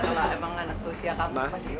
kalau emang anak susia kamu